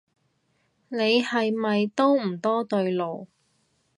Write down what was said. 你係咪都唔多對路